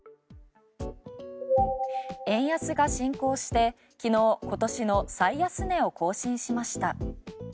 円安が進行して昨日今年の最安値を更新しました。